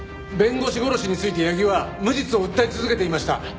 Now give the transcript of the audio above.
弁護士殺しについて八木は無実を訴え続けていました。